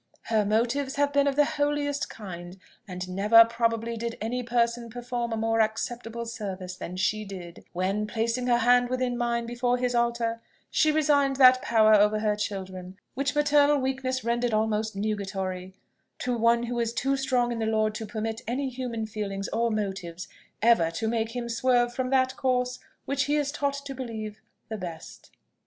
Her motives have been of the holiest kind, and never, probably, did any person perform a more acceptable service than she did when, placing her hand within mine before his altar, she resigned that power over her children, which maternal weakness rendered almost nugatory, to one who is too strong in the Lord to permit any human feelings or motives ever to make him swerve from that course which he is taught to believe the best.